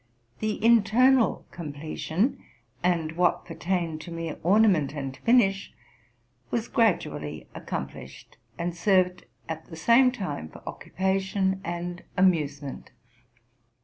The internal completion, and what pertained to mere ornament and finish, was gradually accomplished, and served at the same time for occupation and amusement.